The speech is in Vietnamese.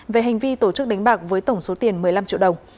về hành vi tổ chức đánh bạc với tổng số tiền một mươi năm triệu đồng